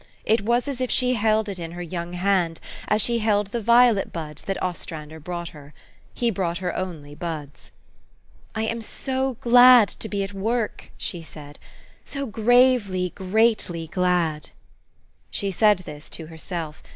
It was as if she held it in her young hand as she held the violet buds that Ostrander brought her. He brought her only buds. " I am so glad to be at work !" she said, "so gravely, greatly glad !" She said this to herself.